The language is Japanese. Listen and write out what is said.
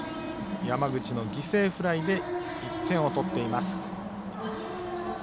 山口の犠牲フライで１点を取っています。